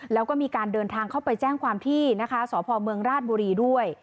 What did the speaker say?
แล้วก็มีการเดินทางเข้าไปแจ้งความที่นะคะสพเมืองราชบุรีด้วย